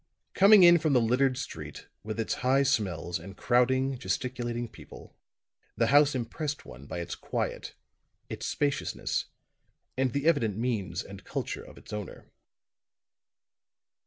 Coming in from the littered street, with its high smells and crowding, gesticulating people, the house impressed one by its quiet, its spaciousness, and the evident means and culture of its owner.